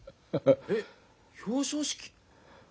えっ表彰式？